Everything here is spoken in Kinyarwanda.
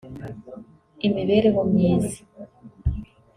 imibereho myiza